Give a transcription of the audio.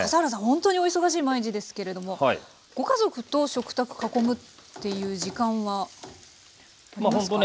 ほんとにお忙しい毎日ですけれどもご家族と食卓囲むっていう時間はありますか？